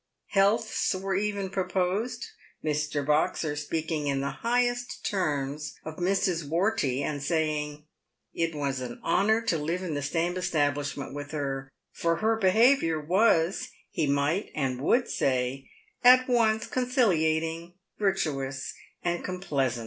Healths were even proposed, Mr. Boxer speaking in the highest terms of Mrs. Wortey, and saying, " It was an honour to live in the same establishment with her, for her behaviour was, he might and would say, at once conciliating, virtuous, and complesarnt."